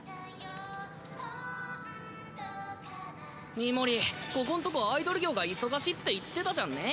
ミモリここんとこアイドル業が忙しいって言ってたじゃんね。